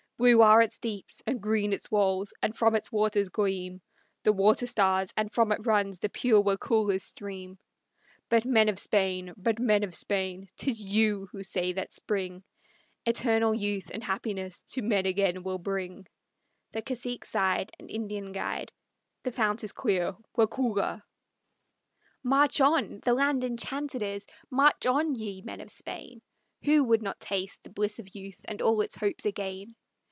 Blue are its deeps and green its walls, and from its waters gleam The water stars, and from it runs the pure Waukulla's stream. But men of Spain, but men of Spain, 'Tis you who say that spring Eternal youth and happiness to men again will bring." The cacique sighed, And Indian guide, "The fount is clear, Waukulla!" "March on, the land enchanted is; march on, ye men of Spain; Who would not taste the bliss of youth and all its hopes again.